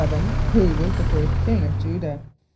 = Who was the first king of J[=u]´dah?